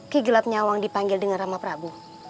kigelap nyawang dipanggil dengan rama prabu